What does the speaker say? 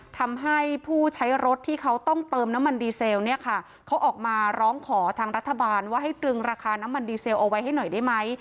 ทำให้ผู้ใช้รถที่เขาต้องเติมน้ำมันดีเซลเนี่ยค่ะเขาออกมาร้องขอทางรัฐบาลว่าให้ตรึงราคาน้ำมันดีเซลเอาไว้ให้หน่อยได้ไหม